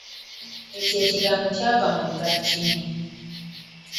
Ekyo ekigambo kyava mu Lulatini.